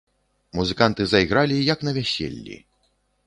Музыканты зайгралі, як на вяселлі.